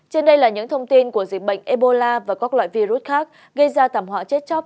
trên đây là những thông tin của dịch bệnh ebola và các loại virus khác gây ra thảm họa chết chóc